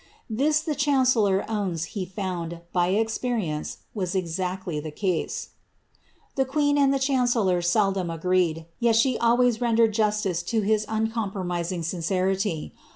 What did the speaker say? ^ Thia ths chancellor owns he found, by experience, was exactly the case. The queen and the chancellor seldom agreed, yet she always ren dered justice to his uncompromising sincerity.